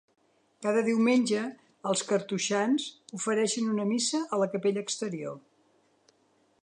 Cada diumenge els cartoixans ofereixen una missa a la capella exterior.